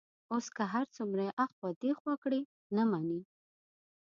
اوس که هر څومره ایخوا دیخوا کړي، نه مني.